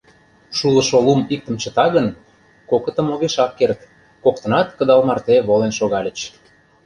Шулышо лум иктым чыта гын, кокытым огешак керт: коктынат кыдал марте волен шогальыч.